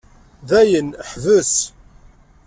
Dayen, ḥbes.